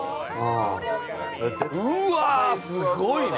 うわあ、すごいね。